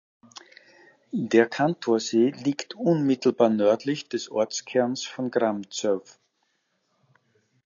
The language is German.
Der Cantorsee liegt unmittelbar nördlich des Ortskerns von Gramzow.